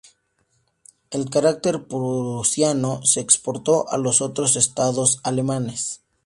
El carácter prusiano se exportó a los otros estados alemanes.